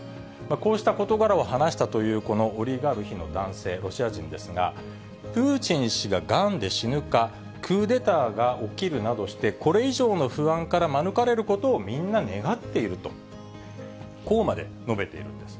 こうした事柄を話したという、このオリガルヒの男性、ロシア人ですが、プーチン氏ががんで死ぬか、クーデターが起きるなどして、これ以上の不安から免れることをみんな願っていると、こうまで述べているんです。